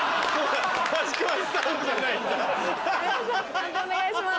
判定お願いします。